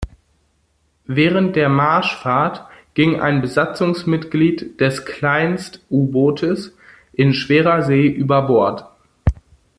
Während der Marschfahrt ging ein Besatzungsmitglied des Kleinst-U-Bootes in schwerer See über Bord.